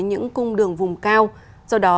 những cung đường vùng cao do đó